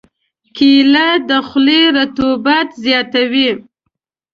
کېله د خولې رطوبت زیاتوي.